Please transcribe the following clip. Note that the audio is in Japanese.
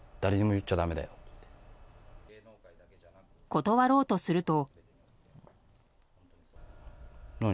断ろうとすると。